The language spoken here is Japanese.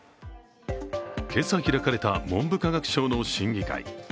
今朝開かれた文部科学省の審議会。